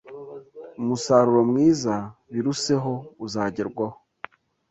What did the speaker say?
umusaruro mwiza biruseho uzagerwaho